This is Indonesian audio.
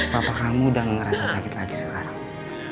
bapak kamu udah ngerasa sakit lagi sekarang